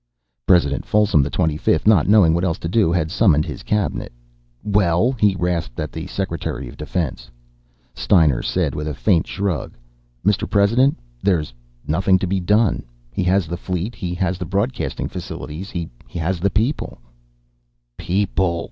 President Folsom XXV, not knowing what else to do, had summoned his cabinet. "Well?" he rasped at the Secretary of Defense. Steiner said with a faint shrug: "Mr. President, there is nothing to be done. He has the fleet, he has the broadcasting facilities, he has the people." "People!"